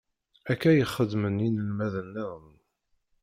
Akka i xeddmen yinelmaden-nniḍen.